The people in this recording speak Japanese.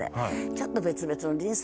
「ちょっと別々の人生